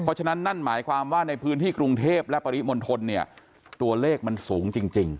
เพราะฉะนั้นนั่นหมายความว่าในพื้นที่กรุงเทพและปริมณฑลเนี่ยตัวเลขมันสูงจริง